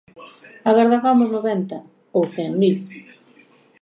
Agardabamos noventa, ou cen mil.